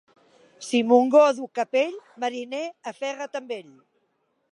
Si Montgó duu capell, mariner, aferra't amb ell.